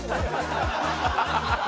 ハハハハ！